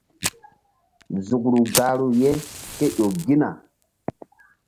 Zukru gahru ye ke ƴo gina.